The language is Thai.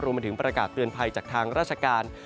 มาถึงประกาศเตือนภัยจากทางราชการ